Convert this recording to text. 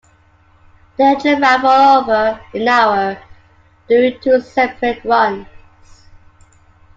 The engine ran for over an hour during two separate runs.